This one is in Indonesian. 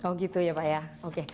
oh gitu ya pak ya